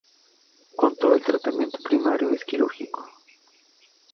Con todo, el tratamiento primario es quirúrgico.